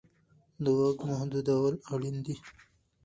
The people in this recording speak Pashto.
د واک محدودول اړین دي